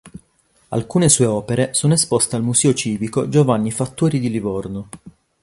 Alcune sue opere sono esposte al Museo civico Giovanni Fattori di Livorno.